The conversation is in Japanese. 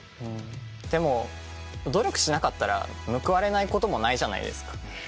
でも努力しなかったら報われないこともないじゃないですか。